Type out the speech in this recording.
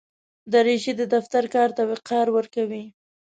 دریشي د دفتر کار ته وقار ورکوي.